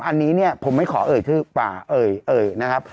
อันนี้เนี่ยผมไม่ขอเอ่ยชื่อป่าเอ่ยนะครับ